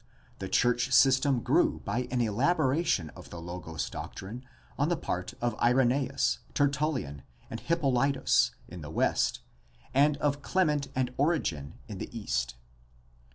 The church system grew by an elaboration of the Logos doctrine on the part of Irenaeus, Tertullian, and Hippolytus in the West and of Clement and Origen in the East.